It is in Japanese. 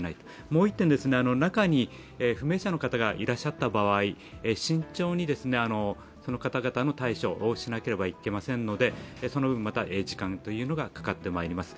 もう１点、中に不明者の方がいた場合慎重にその方々の対処をしなければいけませんので、その分、また時間がかかってまいります。